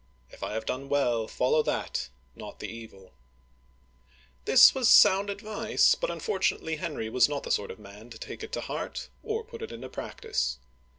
If I have done well, follow that, not the evil !" This was sound advice, but unfortunately Henry was not the sort of man to take it to heart or put it into practice.